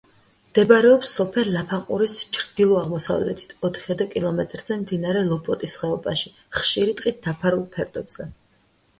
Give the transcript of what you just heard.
მდებარეობს სოფელ ლაფანყურის ჩრდილო-აღმოსავლეთით, ოთხიოდე კილომეტრზე, მდინარე ლოპოტის ხეობაში, ხშირი ტყით დაფარულ ფერდობზე.